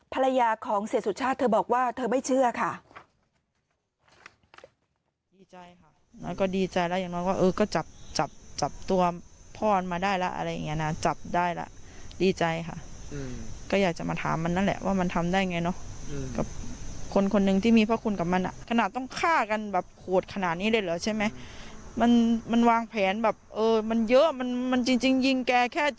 ภรรยาของเสียสุชาติเธอบอกว่าเธอไม่เชื่อค่ะ